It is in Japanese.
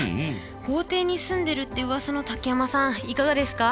豪邸に住んでるってうわさの竹山さんいかがですか？